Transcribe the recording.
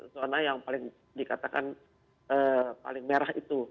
zona yang paling dikatakan paling merah itu